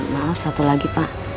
maaf satu lagi pak